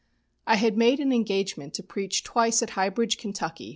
"I had made an engagement to preach twice at High Bridge, Ky.